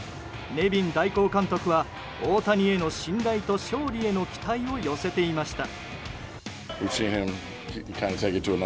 ネビン代行監督は大谷への信頼と勝利の期待を寄せていました。